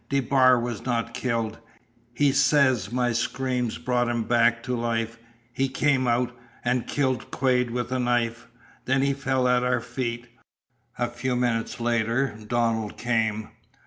DeBar was not killed. He says my screams brought him back to life. He came out and killed Quade with a knife. Then he fell at our feet. A few minutes later Donald came.